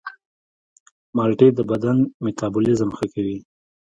مالټې د بدن میتابولیزم ښه کوي.